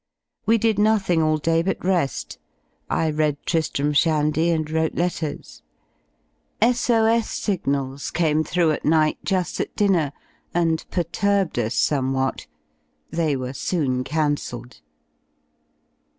We did nothing all day but re^. I read "Tri^ram Shandy" and wrote letters. S.O.S. signals came through at night, ju^ at dinner, and perturbed us somewhat. They were soon cancelled.